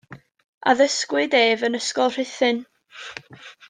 Addysgwyd ef yn Ysgol Rhuthun.